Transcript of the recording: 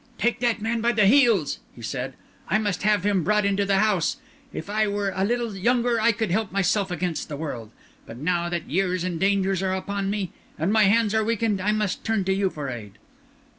"Take that man by the heels," he said. "I must have him brought into the house. If I were a little younger, I could help myself against the world. But now that years and dangers are upon me and my hands are weakened, I must turn to you for aid."